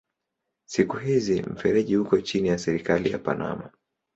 Siku hizi mfereji uko chini ya serikali ya Panama.